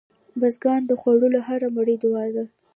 بزګر ته د خوړو هره مړۍ دعا ده